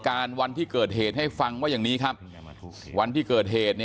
วันที่เกิดเหตุให้ฟังว่าอย่างนี้ครับวันที่เกิดเหตุ